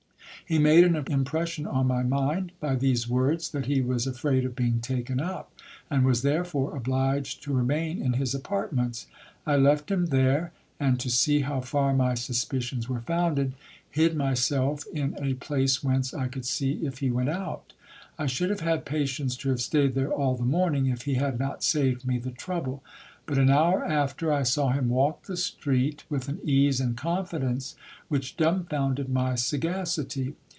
He made an impression on my mind, by these words, that he was afraid of being taken up, and was therefore obliged to remain in his apartments. I left him there ; and, to see how far my suspicions were founded, hid myself in a place whence I could see if he went out. I should have had patience to have staid there all the morning, if he had not saved me the trouble. But an hour after, I saw him walk the street with an ease and confidence which dumb founded my sagacity.